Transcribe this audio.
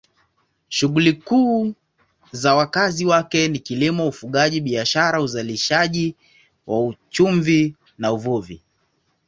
Shughuli kuu za wakazi wake ni kilimo, ufugaji, biashara, uzalishaji wa chumvi na uvuvi.